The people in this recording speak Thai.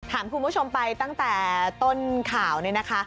ถามคุณผู้ชมไปตั้งแต่ต้นข่าวนี่นะคะ